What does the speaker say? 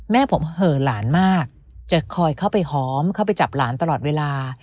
แม่ผมเหอะหลานมากจะคอยเข้าไปหอมเข้าไปจับหลานตลอดเวลา